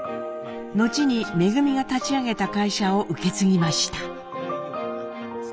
後に恩が立ち上げた会社を受け継ぎました。